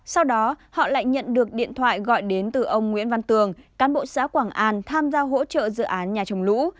sau đó họ lại nhận được điện thoại gọi đến từ ông nguyễn văn tường cán bộ xã quảng an tham gia hỗ trợ dự án nhà trồng lũ